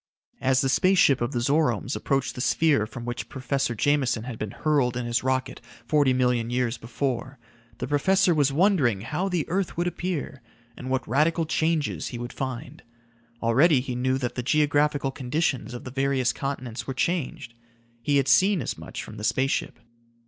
As the space ship of the Zoromes approached the sphere from which Professor Jameson had been hurled in his rocket forty million years before, the professor was wondering how the earth would appear, and what radical changes he would find. Already he knew that the geographical conditions of the various continents were changed. He had seen as much from the space ship.